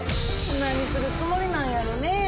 何するつもりなんやろねえ。